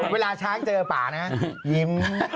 เวลาช้างเจอป่านะยิ้ม